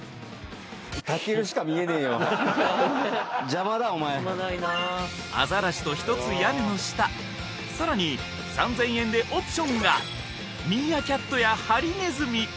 邪魔だお前アザラシとひとつ屋根の下さらに３０００円でオプションがミーアキャットやハリネズミ